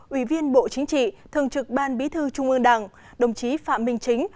ủy viên bộ chính trị thường trực ban bí thư trung ương đảng đồng chí phạm minh chính